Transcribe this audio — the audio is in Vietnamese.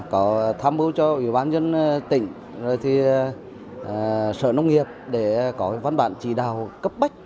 có tham mưu cho ủy ban dân tỉnh rồi thì sở nông nghiệp để có văn bản chỉ đào cấp bách